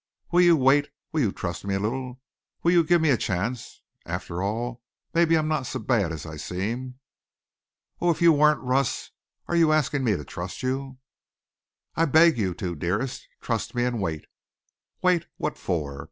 "Will you wait? Will you trust me a little? Will you give me a chance? After all, maybe I'm not so bad as I seem." "Oh, if you weren't! Russ, are you asking me to trust you?" "I beg you to dearest. Trust me and wait." "Wait? What for?